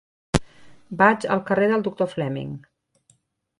Vaig al carrer del Doctor Fleming.